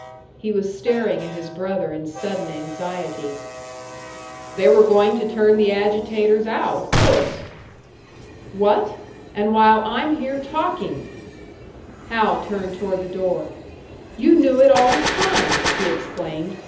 He was staring at his brother in sudden anxiety. "They were going to turn the agitators out, of course." "What? And while I'm here talking!" Hal turned toward the door. "You knew it all the time!" he exclaimed.